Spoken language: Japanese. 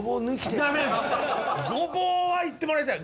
ごぼうはいってもらいたい。